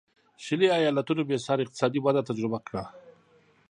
شلي ایالتونو بېسارې اقتصادي وده تجربه کړه.